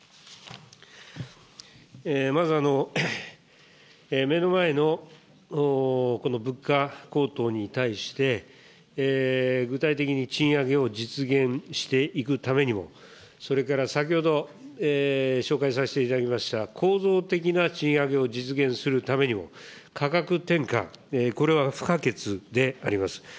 まず、目の前の物価高騰に対して、具体的に賃上げを実現していくためにも、それから先ほど紹介させていただきました、構造的な賃上げを実現するためにも、価格転嫁、これは不可欠であります。